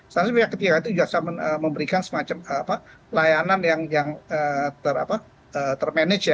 seharusnya via ketiga itu juga bisa memberikan semacam layanan yang termanage ya